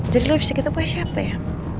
jadi lu bisa gitu punya siapa ya